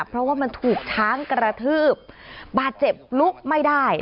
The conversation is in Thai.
เพราะว่ามันถูกช้างกระทืบบาดเจ็บลุกไม่ได้